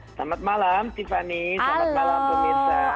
selamat malam tiffany selamat malam pemirsa